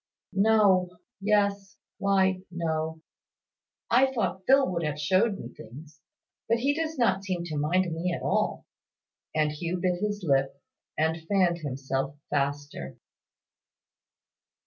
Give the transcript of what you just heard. "No yes why, no. I thought Phil would have showed me things; but he does not seem to mind me at all." And Hugh bit his lip, and fanned himself faster.